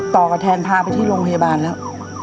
ต่อกับแทนพาไปที่โรงพยาบาลแล้ว